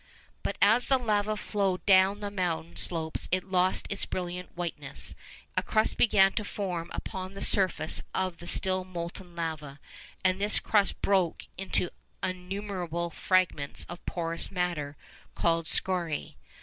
But as the lava flowed down the mountain slopes it lost its brilliant whiteness; a crust began to form upon the surface of the still molten lava, and this crust broke into innumerable fragments of porous matter called scoriæ.